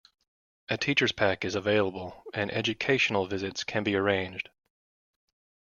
A teacher's pack is available and educational visits can be arranged.